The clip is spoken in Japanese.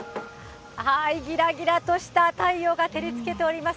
ぎらぎらとした太陽が照りつけております。